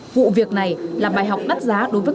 vụ việc này là bài học đắt giá đối với